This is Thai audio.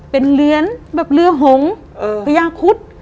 เป็นเหรียญแบบเรือหงพญาคุด